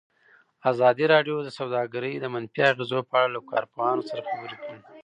ازادي راډیو د سوداګري د منفي اغېزو په اړه له کارپوهانو سره خبرې کړي.